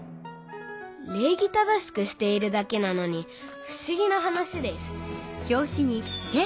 礼儀正しくしているだけなのにふしぎな話ですそうだ！